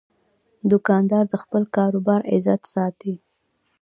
دوکاندار د خپل کاروبار عزت ساتي.